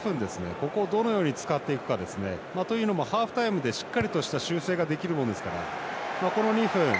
ここをどのように使っていくかですね。というのもハーフタイムでしっかりとした修正ができるもんですからこの２分、